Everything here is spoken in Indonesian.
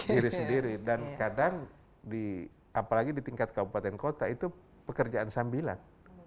diri sendiri dan kadang di apalagi di tingkat kabupaten kota itu pekerjaan sambilan